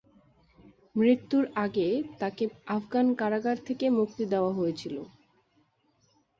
মৃত্যুর আগে তাকে আফগান কারাগার থেকে মুক্তি দেওয়া হয়েছিল।